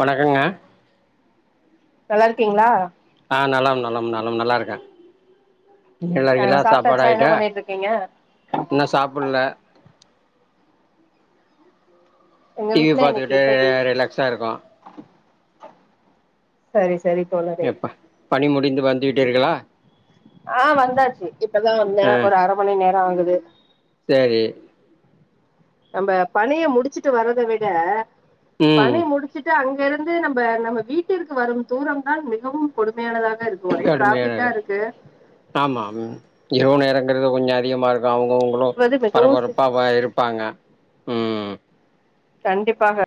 வணக்கங்க நல்லாருக்கிங்ளா ஆஹ் நலம் நலம் நலம் நல்லாருக்கே நீ நல்லா ஆ இருக்கைலா சாப்பாடு சாப்ட்டாச்சா என்ன ஆயிட்டா பண்ணிட்டு இருக்கீங்க இன்னு சாப்புட்ல எங்க டிவி வீட்ல இன்னைக்கு பாத்துகிட்டே ரிலாக்ஸா இருக்கோ சரிஸ் செரி தோழரே எப்ப பணி முடிந்து வந்து விட்டீர்களா ஆ வந்தாச்சு இப்பதான் வந்தெ ஒரு அரை மணி நேரொ ஆகுது து சேரி நம்ப பணிய முடிச்சிட்டு வரத விட ம் பணி முடிச்சிட்டு அங்க இருந்து நம்ப நம்ம வீட்டிற்கு வரும் தூரம் தான் மிகவும் கொடுமையானதா கடுமையானர் ஆமா ம் இரவு நேர [unintelligible] அதிகமா இருக்கு அவங்கவங்களு வது மிகவும் சி பரபரப்பா ப இருப்பாங்க உம் கண்டிப்பாக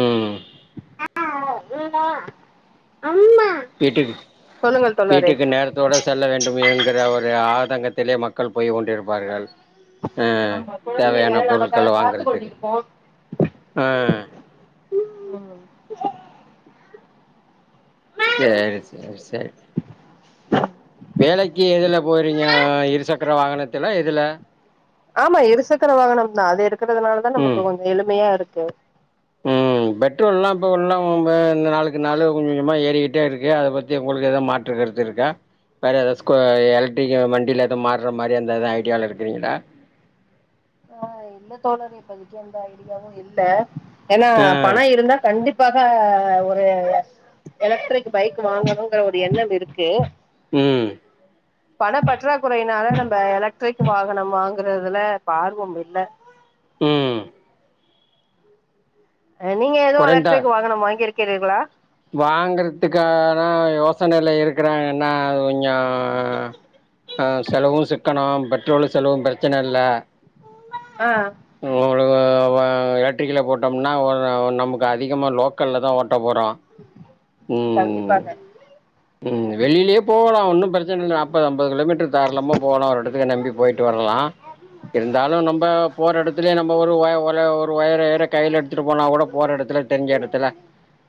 உம் வீட்டு சொல்லுங்கள் தோழரே வீட்டுக்கு நேரத்தோடு செல்ல வேண்டும் என்கிற ஒரு ஆர் தங்கத்திலே மக்கள் போய் கொண்டிருப்பார்கள் ஆஹ் ஆமா குழந்தை வேற தேவையான பொருட்கள நமக்காக காத்து வாங்கறதுக்கு கொண்டிருக்கும் ஆஹ் ம் சேரி சேரி சேரி வேலைக்கு எதுல போறீங்க இருசக்கர வாகனத்திலா எதுல ஆமா இருசக்கர வாகனம் தா அதெடு இருக்கிறதுனால தா நமக்கு கொஞ்சு எளிமையா இருக்கு உம் பெட்ரோல் எல்லா இப்பல்லா இந்த நாளுக்கு நாள் கொஞ்சு கொஞ்சமா ஏறிக்கிட்டே இருக்கு அதை பத்தி உங்களுக்கு ஏதாது மாற்றுக்கருத்து இருக்கா வேற ஏதாவது ஸ்கு எலக்ட்ரிக் வண்டியில எதாது மாற மாரி அந்த எதாது ஐடியால இருக்குறீங்களா ஆ இல்ல தோழர் இப்போதிக்கு எந்த ஐடியாவு இல்ல ஏன்னா ஆ பணோ இருந்தா கண்டிப் இதுக்காக ஒரு எலக்ட்ரிக் பைக் வாங்கணுங்கர ஒரு எண்ணம் இருக்கு உம் பண பற்றாக்குறையினால நம்ம எலக்ட்ரிக் வாகனம் வாங்குறதுல இப்ப ஆர்வம் இல்ல உம் நீங்க ஏதோ எலக்டரிக் வாகனம் வாங்கியிருக்க கேட்டீர்களா வாங்கறதுக்காகதா யோசனையில இருக்கறாங்கன்னா கொஞ்சு ஆ செலவு சிக்கணோ பெட்ரோல் செலவு பிரச்சன இல்ல ஆ ஓ ஓஎலக்ட்ரிக்கில்ல போட்டோம்னா ஒரு நமக்கு அதிகமாக லோக்கல்ல தா ஓட்ட போறோ ம் கண்டிப்பாக ம் வெளியிலயே போகலா ஒன்னு பிரச்சன இல்ல நாப்பது ஐம்பது கிலோமீட்டர் தாரலமா போகலா ஒரு இடத்துக்கு நம்பி போயிட்டு வரலா இருந்தாலு நம்ம போற இடத்துலயே நம்ம ஒரு உய ஒரு ஒரு உயர கைல எடுத்துட்டு போனா கூட போற எடத்துல தெரிஞ்ச எடத்துல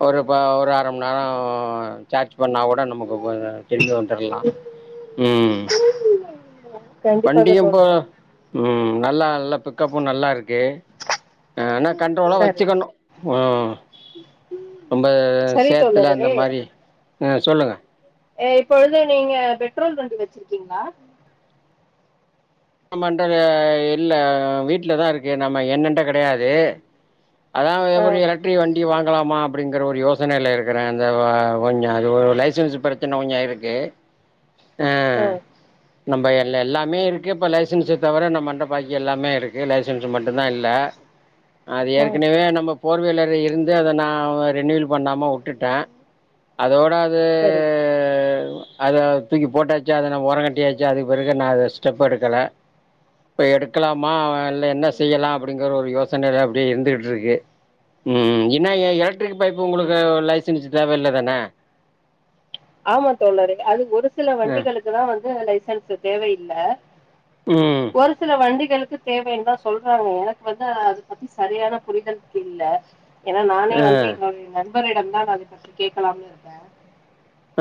ஒரு ஒரு அரை மணி நேரம் சார்ஜ் இப்ப ந கூட நமக்கு திரும்பி வந்துரலாம் உம் கண்டிப்பாக வண்டியும் ப்ப தோழரே உம் நல்லா நல்லா பிக்கப்பு நல்லா இருக்கு ஆனா கண்ட்ரோலா சரி வச்சுக்கணு ரொம்ப சரி சேத்துல அந்த தோழரே மாரி ஆ சொல்லுங்க இப்பொழுது நீங்க பெட்ரோல் வண்டி வச்சிருக்கீங்களா மண்ட இல்ல வீட்லதா இருக்கு நம்ம என்னன்ட கிடையாது அதான் ஆ எலக்ட்ரிக வண்டி வாங்க இருக்கலாமா அப்படிங்கற ஒரு யோசனையில இருக்கறே அந்த கொஞ்சு அது லைசன்ஸ் பிரச்சனை கொஞ்சு இருக்கு ஆ நம்ப எல்லா எல்லாமே இப்ப லைசன்ஸ் தவிர நம் மண்ட பாக்கி எல்லாமே இருக்கு லைசன்ஸ் மட்டு தா இல்ல அது ஆ ஏற்கனவே நம்ம போர்விலர் இருந்து அத நா ஒரு ரெனியூல் பண்ணாம விட்டுட்ட அதோட அது சரி அத தூக்கி போட்டாச்சு அதனா ஓரங் கட்டியாச்சு அது பிறகு நாரெஸ் ஸ்டெப் எடுக்கல இப்ப எடுக்கலாமா வே இல்ல என்ன செய்யலா அப்படிங்கிற ஒரு யோச சென்னையல அப்படியே இருந்துட்டு இருக்கு ம் என்ன எலக்ட்ரிக் பை உங்களுக்கு லைசன் தேவ இல்ல தான ஆமா தோழரே அது ஒரு சில அ வண்டிகளுக்கு தா வந் து லைசன்ஸ் தேவயில்ல ம் ஒரு சில வண்டிக் குகளுக்கு தேவைன்னதா சொல்றாங்க எனக்கு வந்து அது பத்தி சரியான புரிதல் இல்ல ஏன்னா நானே அ வந்து இன்னொன்னு நண் உங்களிடம்தா அத பத்தி கேட்கலாம்னு இருந்தே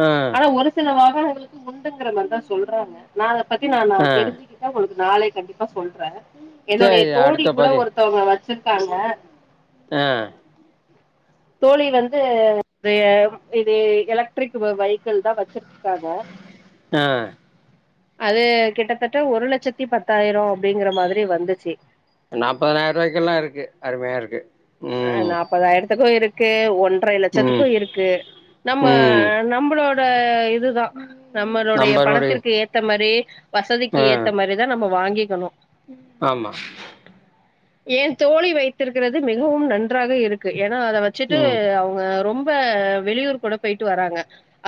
அ ஆனா ஒரு சிலவா ம எங்களுக்கு உண்டுங்கிற மாறிதா சொல்றாங்க நா பத்தி நா நா அ தெரிஞ்சுக்கிட்டே உங்களுக்கு நாளை கண்டிப்பா சொல்றே என்னுடைய சரி தோழி அடுத்த கூட ஒருத்தவங்க வ இருக்காங்க ஹ் தோழி வந்து இது இது எலக்ட்ரிக் வை வைக்கல் தா வச்சிருக்காங்க ஆஹ் அது கிட்டத்தட்ட ஒரு லட்சத்தி பத்தாயிரோ அப்படிங்கற மாதிரி வந்துச்சு நாப்பனாயிர ரூபாய்க்கெல்லா இருக்கு அருமையா இருக்கு ம் கே ஒன் அப்புறோ ஏழு லட்சத்துக்கு ம் இருக்கு நம்ம ம் நம்மளோட இப்ப இதுதா நம்மளுடைய நம்பருடைய பணத்திற்கு ஏத்த மாரி வசதிக்கு அ ஏத்த மாரிதா நம்ப வாங் கேக்கணு ஆமா ஏ தோழி வைத்திருக்கிறது மின் மிகவு நன்றாக இருக்கு ஏன்னா அத வச்சுட்டு ம் அவங்க ரொம் ரொம்ப வெளியூர் கூட போய்ட்டு வராங்க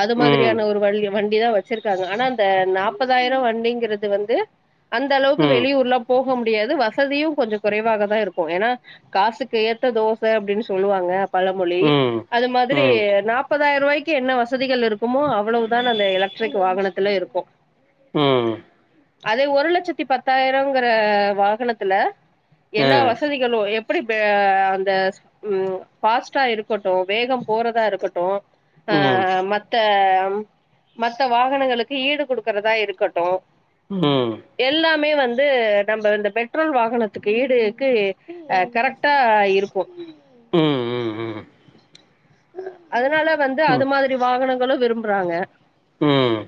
அது ம் மாதிரியான ஒரு [unintelligible] வண்டிதா வச்சிருக்காங்க ஆனா அந்த நாப்பதாயிர வண்டிங்கிறது வந்து அந்த அளவுக்கு ம் வெளியூர்லா போ போ முடியாது வசதியு கொஞ்சோ குறைவாகதா இருக்கு ஏனா காசு கேத்த தோச அப்படின்னு சொல்லுவாங்க பழமொழி ம் அது மாதிரி ம் நாப்ப தாயர்வாய்க்கு என்ன வசதிகள் இருக்குமோ அவ்வளவுதான் அந்த எலக்ட்ரிக் வாகனத்துல இருக்கு ம் அதே ஒரு லட்சத்தி பத்தாயிரங்கிற வாகனத்துல அ எல்லா வசதிகளு எப் இப்ப அந்த ம் பாஸ்ட்டா இருக்கட்டு வேக போறதா இருக்கட்டு ஆ ம் ஆ மத் த்த மத்த வாகனங்களுக்கு ஈடு குடுக்குறதா இருக்கட்டு ம் எல்லா இன்னுமே வந்து நம்ப இந்த பெட்ரோல் வாகனத்துக்கு ஈடுக்கு அஹ் கரெக்ட் ட்டா இருப்போ ம் ம் ம் அதனால வந்து அது மாதிரி வாகனங் சொல்ல விரும்புறாங்க ம் ம்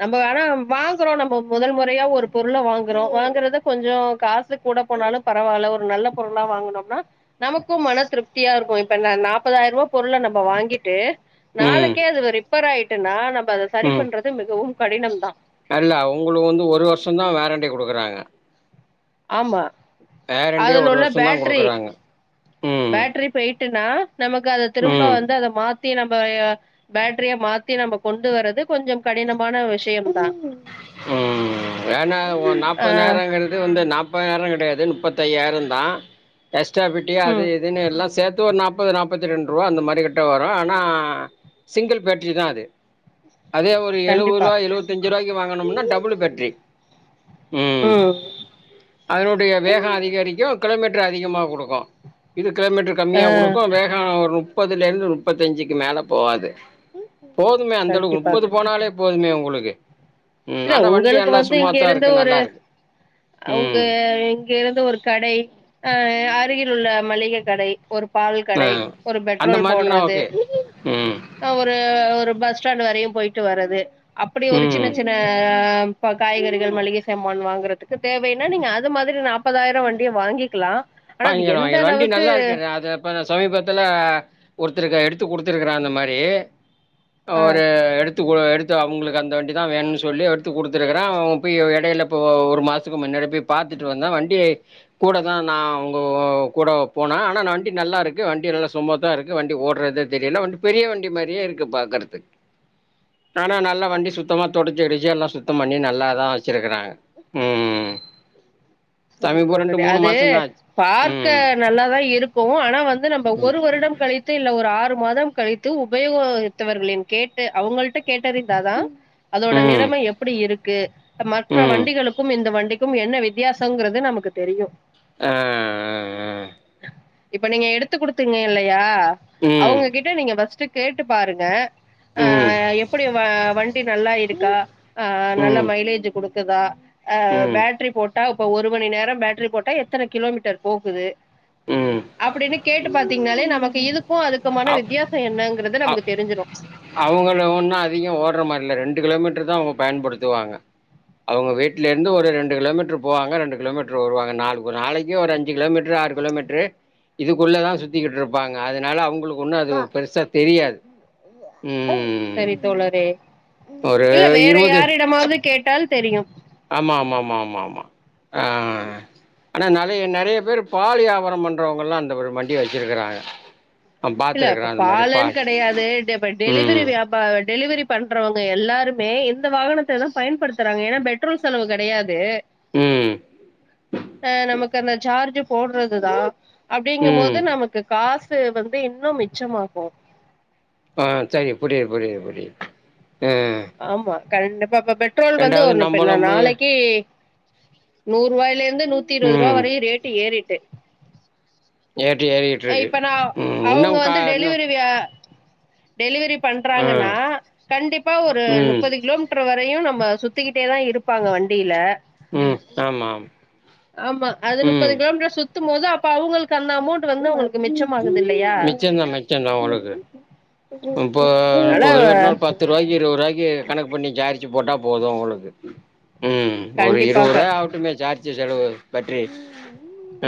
நம்ப ஆனா வாங்குறோ நம்ப முதல் மொறையா ஒரு பொருள வாங்குறோ வாங்குறத கொஞ்சோ காசு கூட போனாலு பரவால்ல ஒரு நல்ல பொருளா வாங்குனோம்னா நமக்கும் மன திருப்தியாருக்கு இப்ப நா நாப் முப்பதாயிர்ரூவா பொருள நம்ம வாங்கிட்டு ம் நாளைக்கே அதுல ரிப்பேர் ஆயிட்டுனா நம்ப அத சரி ம் பண்றது மிகவும் கடினம் தா அல்ல அ ஆமா அதுல உள்ள வருஷந்தா பேட்டரி குடுக்குறாங்க ம் பேட்டரி போயிட்டுனா நமக்கு அத திரும்ப ம் வந்து அத மாத் த்தி நம்ப ஏ பேட்ரியா மாத்தி நம்ப கொண்டு வர்றது கொஞ்சம் கடினமான விஷயம் தா வேணா உ நாப்பதாயிரங்கிறது வந்து நாப் முப்பதானாயிர கெடையாது முப்பத்தையாயிர தா எக்ஸ்ராஃபிட்டி அது ம் இதுன்னு எல்லா சேத் து ஒரு நாப்பது நாப்பத்தி ரெண்ட்ரூவா அந்த மாரி கிட்ட வரு ஆனா சிங்கிள் பேட்ரி தா அது அதே மாரி கண்டிப்பா. எழுவதுருவா எழுவத்தஞ்சுருவாய்க்கு வாங்குணம்னா டபுளு பேட்ரி ம் அதனுடைய வேக அதிகரிக்கு கிலோமீட் மீட்ரு அதிகமாக குடுக்கு இது கிலோமீட்டர் ஆ கம்மியா குடுக்கு வேகொ ஒரு நுப் ப்பதுலேருந்து முப்பத்தஞ்சுக்கு மேல போகாது போதுமே அந்தளவுக்கு கண்டிப்பாங்க. முப்பது போனாலே போதுமே உ முழுகு ம் இல்ல ஆனா வண்டி உங்களுக்கு நல்லா வந்து இங்க சுமாத்தா இருந்து இருக்கு ஒரு நல்லா இருக்கு அவுங்க ம் இங்க இருந்து ஒரு கடை ஆ அருகில் உள்ள மளிகை கடை ஒரு பால் ஆ கடை ஒரு அந்த பெட்ரோல் மாதிரினா போட்றது ஓகே ம் ஒரு ஒரு பஸ் பஸ்டாண்டு வரயும் போயிட்டு வறது அப்டி ஒரு சின்ன ம் ஆ இப்ப காய்கறிகள் மளிகை சாமான் வாங்கறதுக்கு தேவைன்னா நீங்க அது மாதிரி நாப்பதாயிரம் வண்டியை வாங்கிக்கலாம் வாங்கிரு வாங்கிரு வண்டி நல்லா இருக்கு அது இப்ப சமீபத்துல ஒரு த்தருக்கு எடுத்து கொடுத்திருக்கிறேன் அந்த மாரி ஆ ஒரு எடுத்து கொடு எடுத்து அவங்களுக்கு அந்த வண்டி தான் வேணும்னு சொல்லி எடுத்து கொடுத்துருக்குறேன் அவுங்க போய் இடையில இப்ப ஒரு மாசத்துக்கு முன்னாடி போய் பாத்துட்டு வந்தேன் வண்டிய கூட தான் நான் இப்போ கூட போனா ஆனா வண்டி நல்லா இருக்கு வண்டி நல்லா சுமுத்தா இருக்கு வண்டி ஓடுறதே தெரியல வண்டி பெரிய வண்டி மாரியே இருக்கு பாக்கறதுக்கு. ஆனா நல்லா வண்டி சுத்தமா தொடச்சு கிடச்சு எல்லா சுத்தம் பண்ணி நல்லா இருக் இதான் வச்சிருக்குறாங்க உம் சரி சமீபம் ரெண்டு தோழரே மூணு அது மாசம் தான் ஆச்சு பார்க்க ம் நல்லாதா இருக்கு ஆனா வந்து நம்ம ஒரு வருடம் கழித்து இல்ல ஒரு ஆறு மாதம் கழித்து உபயோகத்தவர்களின் கேட்டு அவங்கள்ட்ட கேட்டறிந்தாதா அதோட ம் ம் நிலைமை எப்படி இருக் கே மற்ற ம் வண்டிகளுக்கும் இந்த வண்டி என்ன வித்தியாச ங்கறது நமக்கு தெரியு ஆஹ் ஆஹ் ஆஹ் இப்ப நீங்க எடுத்து கொடுத்தீங்க இல்லையா யா ம் அவுங்ககிட்ட நீங்க பஸ்ட் கேட்டு பாருங்க ம் ஆஹ் எப்படி வ வண்டி நல்லா இருக்கா ஆஹ் நல்ல ம் மைலேஜ் கொடுக்கு தா ம் பேட்ரி போட்டு இப்ப ஒரு மணி நேரோ பேட்ரி போட்டா எத்தனை கிலோமீட்டர் போகுது ம் அப்படின்னு கேட்டு பாத்தீங்கன்னாலே நமக்கு இதுக்கு அதுக்குமான வித்தியாசோ என்னங் ந்து நமக்கு தெரி்ஞ்சுரு அவங்கலா ஒன்னு அதிகோ ஓடுற மாரி ரெண்டு கிலோமீட்டர் தா அவங்க பயன்படுத்துவாங்க அவங்க வீட்டு ட்லா இருந்து ஒரு ரெண்டு கிலோமீட்டர் போவாங்க ரெண்டு கிலோமீட்டர் வருவாங்க ந நாளைக்கு ஒரு அஞ்சு கோமீட்டர் ஆறு கொலோமீட்டர் இதுக்குள்ள தா சுத்திட்டு இருப்பாங்க அதனால அவங்களுக்கு ஒண்ணு அது பெருசா தெரியாது ம் சரி தோழரே ஒரு [inaudible] இல்ல வேற இருவது யாரிடமாது கேட் [inaudible] தெரியு ஆமா ஆமா ஆமா ஆமா ஆமா ஆஹ் ஆனா நறைய நறைய பேர் பாலி வியாபரம்ண்றவங்க எல்லா அந்த ஒரு வண்டி வச்சிருக்கறாங்க நான் இல்ல இப்ப பாத்துருக்கறேன் அந்த மாரி பாலன்னு பால் கிடையாது டெ ப டெ டெலிவரி ம் வியாப டெலிவரி பண்றவங்க எல்லாருமே இந்த வாகனத்த தா பயன்படுத்துறாங்க ஏனா பெட்ரோல் செலவு கிடையாது ம் ஆஹ் நமக் ந்த சார்ஜ் போடுறதுதா அப்படிங்கும் ம் போது நமக்கு காச்ட் து வந் இன்னும் மிச்சமாகு ஆஹ் சரி புரியது புரியுது புரியது ஆமா கலண்ட ப்பப்ப பெட்ரோல் வந்து ரெண்டாவது ஒரு பெண்ணா நம்மளும் நாளைக்கு நூறு ரூபாயில வந்து நூத்தி இருபது ரூபா ம் வரையும் ரேட்டு ஏறி ட்டு ஏட்டு ஏறிட்டு இருக்கு இப்ப நான் ம் அவுங்க இன்னும் கா வந்து இன்னும் டெலிவரி வியா டெலிவரி ம் பண்றாங்கன்னா கண்டிப்பா ஒரு ம் முப்பது கிலோமீட்டர் வரையும் நம்ம அஹ் சுத்திக்கிட்டே தான் இருப்பாங்க வண்டியில ம் ஆமாம் ஆமா அது ம் முப்பது கிலோமீட்டர் சுத்த போது அப்ப அவங்களுக்கு அந்த அமௌண்ட் வந்து உங்களுக்கு மிச்சம் மிச்சந்தான் மிச்சமந்தான் உளுக்கு இப்ப இப்ப அதனால கிலமீட்டர்னால பத்து ரூவாக்க இருபதுபாய்க்கு கணக்ட பண்ணி சார்ஜ வச்சு போட்டா போதும் உங்களுக்கு ம் ஒரு இருபது கண்டிப்பாக ரூபா அவுட்டுமே சார்ஜ் ஜார்ஜ் செலவு பற்றி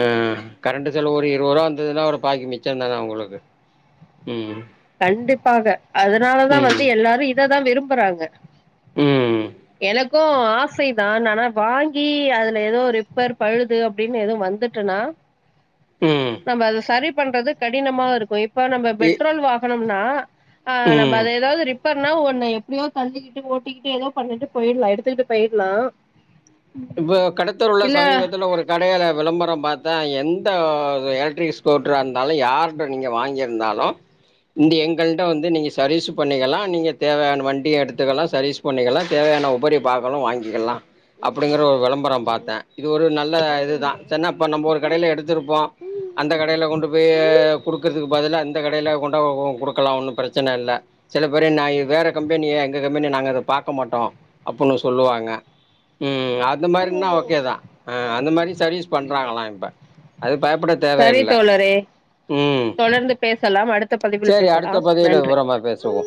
ஆஹ கரண்ட் செல ஒரு இருபது ரூபா வந்ததுன்னா ஒரு பாகி மிச்சந்தான உங்களுக்கு உம் கண்டிப்பாக அதனாலதா வந்து எல்லாரு இததா விரும் பறங்க ம் எனக்கு ஆசைதான் ஆனா வாங்கி அதுல ஏதோ ரிப்பர் பழுது அப்டின்னு எதுவு வந்துட்டுன்னா ம் நம்ம அது சரி பண்றது கடினமா இருக்கு இ ப்ப நம்ப இ பெரோல் வா ன்னா ஆஹ் நம்ப ம் அத ஏதாவது அப்பனா ஒன்னை எப்டியோ தள்ளிக்கிட்டு ஓட்டிட்டு ஏதோ பண்ணட்டு போயிடலா எடுத்துக்கிட்டு போயில்லா இப்ப கடத்த உள்ள சமீபத்துல ஒரு கடயில விளம்பரம் பார்த் த எந்த எலக்ட்ரிக் ஸ்கூட்டரா இருந்தாலு யார்ட்ட நீங்க வாங்கியிருந்தாலு இந்த எங்கள்ட்ட வந்து நீங்க சர்வீஸ் பண்ணிக்கலா நீங்க தேவையான வண்டிய எடுத்துக்கலா சர்வீஸ் பண்ணிக்கலா தேவையான உபரி பாகலு வாங்கிக்கலா அப்படிங்கிற ஒரு விளம்பரம் பாத்தே இது ஒரு நல்ல இதுதா சரி நாம் இப்ப ஒரு கடைல எடுத்திருப்போ அந்த கடைல கொண்டு போயீ குடுக்கறதுக்கு பதிலா இந்த கடைல கொண் டு கொடுக்கலா ஒன்னு பிரச்சன இல்ல சில பேரு நா வேற கம்பெனிய எங்க கம்பெனி நாங்க பாக்க மாட்டோ அப்பன்னு சொல்லுவாங்க உம் ம் அந்த மாரின்னா ஓகேதா ஆ அந்த மாரி சர்வீஸ் பண்றாங்களா இப்ப அது பயப்பட சரி தேவயில்ல ம் சலாம் அடுத்த பதிவில் சரி அடுத்த பேசலாம் பதிவுல நன்றி விவரமா பேசுவோம்